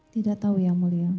tidak tahu yang mulia